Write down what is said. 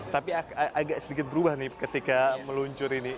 tapi agak sedikit berubah nih ketika meluncur ini